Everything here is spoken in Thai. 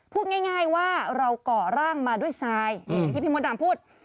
พูดง่ายว่าเราก่อร่างมาด้วยทีมกดดามพูด